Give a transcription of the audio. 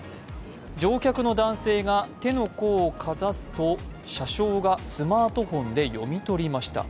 乗客の男性が手の甲をかざすと車掌がスマートフォンで読み取りました。